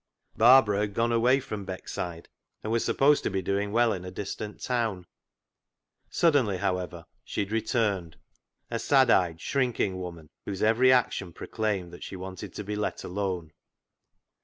Barbara had gone away from Beckside, and was supposed to be doing well in a distant town. Suddenly, however, she had returned — a sad eyed, shrink ing woman, whose every action proclaimed that she wanted to be let alone.